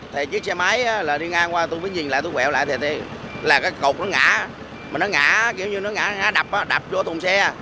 thì chiếc xe máy đi ngang qua tôi mới nhìn lại tôi quẹo lại là cái cột nó ngã mà nó ngã kiểu như nó ngã đập đập vô tùng xe